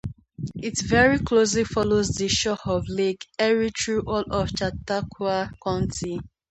It very closely follows the shore of Lake Erie through all of Chautauqua County.